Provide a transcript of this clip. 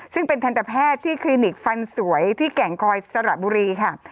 ซึ่งเป็นทันตแพทย์ที่คลินิกฟันสวยที่แก่งคอยสระบุรีค่ะ